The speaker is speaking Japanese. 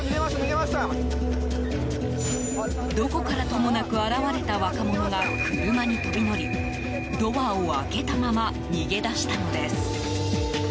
どこからともなく現れた若者が車に飛び乗りドアを開けたまま逃げ出したのです。